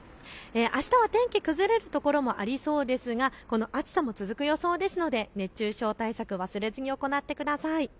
あしたは天気崩れるところありそうですが暑さも続く予想ですので熱中症対策、忘れずに行ってください。